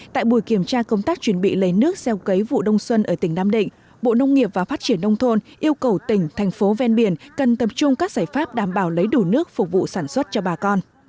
tại buổi kiểm tra công tác chuẩn bị lấy nước gieo cấy vụ đông xuân ở tỉnh nam định bộ nông nghiệp và phát triển nông thôn yêu cầu tỉnh thành phố ven biển cần tập trung các giải pháp đảm bảo lấy đủ nước phục vụ sản xuất cho bà con